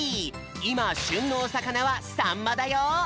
いましゅんのおさかなはさんまだよ！